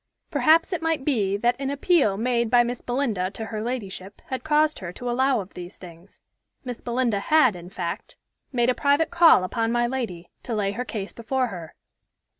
Perhaps it might be that an appeal made by Miss Belinda to her ladyship had caused her to allow of these things. Miss Belinda had, in fact, made a private call upon my lady, to lay her case before her.